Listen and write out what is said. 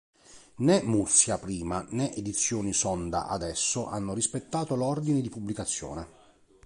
Né Mursia prima, né Edizioni Sonda adesso hanno rispettato l'ordine di pubblicazione.